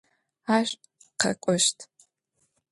Ar khek'oşt.